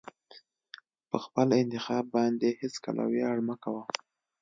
په خپل انتخاب باندې هېڅکله ویاړ مه کوه.